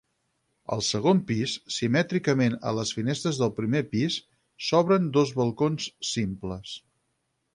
Al segon pis, simètricament a les finestres del primer pis, s'obren dos balcons simples.